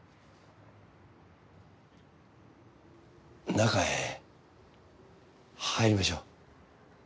中へ入りましょう。